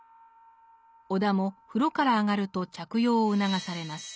尾田も風呂から上がると着用を促されます。